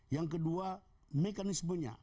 yang kedua mekanismenya